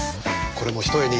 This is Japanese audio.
これもひとえに